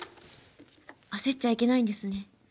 焦っちゃいけないんですね。